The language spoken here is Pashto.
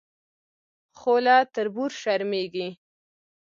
خو له تربور شرمېږي.